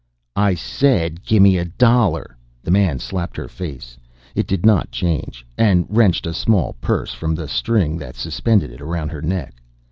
"I said gimme a dollar!" The man slapped her face it did not change and wrenched a small purse from the string that suspended it around her neck.